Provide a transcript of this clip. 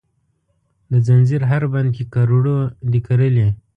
د ځنځیر هر بند کې کروړو دي کرلې،